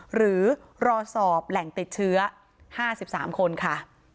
หรือรอสอบแหล่งติดเชื้อห้าสิบสามคนค่ะ